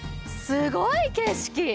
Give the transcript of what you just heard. すごい景色！